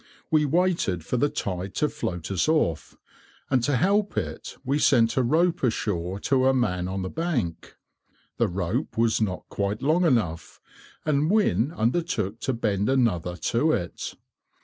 We waited for the tide to float us off, and to help it we sent a rope ashore to a man on the bank. The rope was not quite long enough, and Wynne undertook to bend another to it.